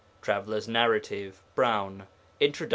Traveller's Narrative (Browne), Introd.